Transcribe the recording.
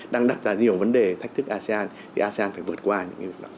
đang đặt ra nhiều vấn đề thách thức asean thì asean phải vượt qua những việc đó